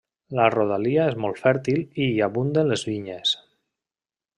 La rodalia és molt fèrtil i hi abunden les vinyes.